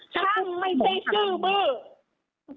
ชั่งไม่ไฟซื้อบื๊ะ